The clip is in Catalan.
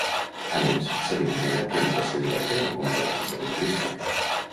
A més, s’elimina l’acreditació directa de la competència lingüística.